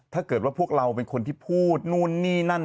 ถ้าเกิดว่าพวกเราเป็นคนที่พูดนู่นนี่นั่น